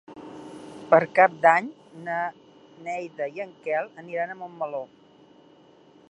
Per Cap d'Any na Neida i en Quel aniran a Montmeló.